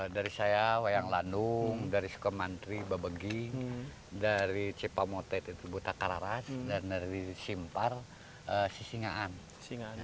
dari saya wayang landung dari sikor mantri babagi dari cipamotet buta kararas dan dari simpar sisingaan